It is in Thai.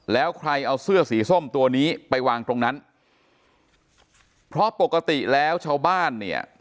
แล้วใครเอาเสื้อสีส้มตัวนี้ไปวางตรงนั้นเพราะปกติแล้วชาวบ้านเนี่ย